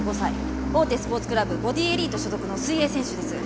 大手スポーツクラブボディエリート所属の水泳選手です。